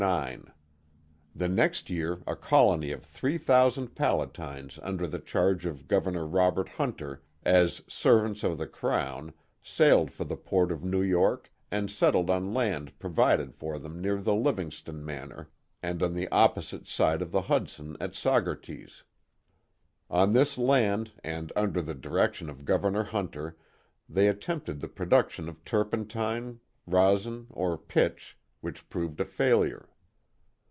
The next year a colony of three thousand Palatines under the charge of Governor Robert Hunter, as '* servants of the crown,*' sailed for the port of New York and settled on land provided for them near the Livingston manor, and on the op posite side of the Hudson at Saugerties. On this land, and under the direction of Governor Hunter, they attempted the production of turpentine, resin, or pitch, which proved a failure.